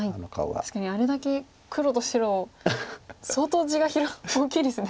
確かにあれだけ黒と白相当地が大きいですね。